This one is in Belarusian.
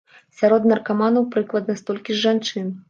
Сярод наркаманаў прыкладна столькі ж жанчын.